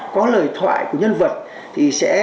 có lời thoại của nhân vật thì sẽ